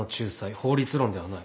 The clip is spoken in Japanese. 法律論ではない。